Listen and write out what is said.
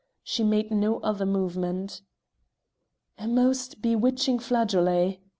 She made no other movement. A most bewitching flageolet!